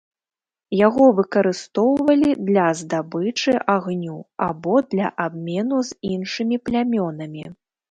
Яго выкарыстоўвалі для здабычы агню або для абмену з іншымі плямёнамі.